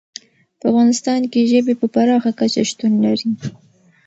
په افغانستان کې ژبې په پراخه کچه شتون لري.